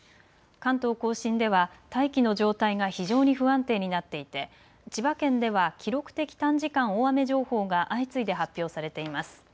関東甲信では大気の状態が非常に不安定になっていて千葉県では記録的短時間大雨情報が相次いで発表されています。